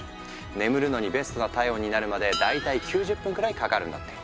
眠るのにベストな体温になるまで大体９０分くらいかかるんだって。